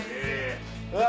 うわ！